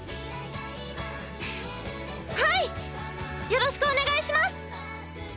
よろしくお願いします。